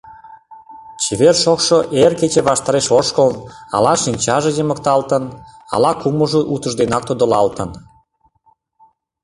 Чевер, шокшо эр кече ваштареш ошкылын, ала шинчаже йымыкталтын, ала кумылжо утыжденак тодылалтын...